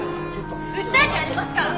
訴えてやりますから！